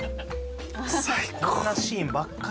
こんなシーンばっかり。